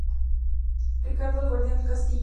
Riccardo: El guardián del castillo.